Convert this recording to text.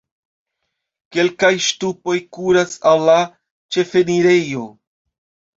Kelkaj ŝtupoj kuras al la ĉefenirejo.